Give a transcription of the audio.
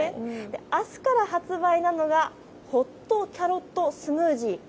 あすから発売なのがホットキャロットスムージーです。